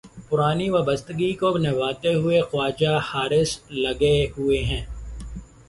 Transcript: پرانی وابستگی کو نبھاتے ہوئے خواجہ حارث لگے ہوئے ہیں۔